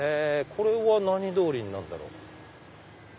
これは何通りになるんだろう？